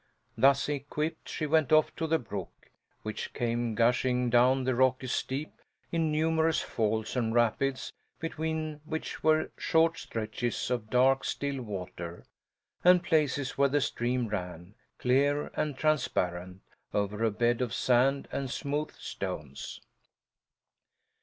Thus equipped, she went off to the brook, which came gushing down the rocky steep in numerous falls and rapids, between which were short stretches of dark still water and places where the stream ran, clear and transparent, over a bed of sand and smooth stones.